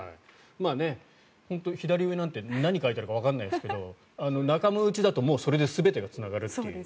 左上なんて何が書いてあるかわからないですけど仲間内だとそれで全てがつながると。